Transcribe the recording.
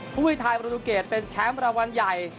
ผู้วิทยาลัยปรุธุเกตเป็นแชมป์รางวัลใหญ่